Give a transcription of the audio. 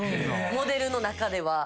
モデルの中では。